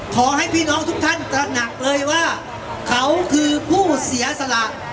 ขอให้พี่น้องทุกท่านตระหนักเลยว่าเขาคือผู้เสียสละ